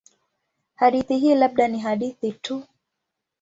Hadithi hii labda ni hadithi tu.